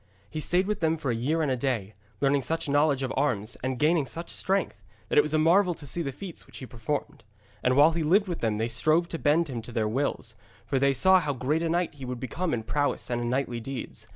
He stayed with them for a year and a day, learning such knowledge of arms, and gaining such strength, that it was marvel to see the feats which he performed. And while he lived with them they strove to bend him to their wills, for they saw how great a knight he would become in prowess and in knightly deeds.